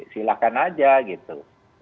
silahkan aja gitu